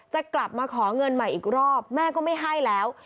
จะกลับมาขอเงินใหม่อีกรอบแม่ก็ไม่ให้แล้ว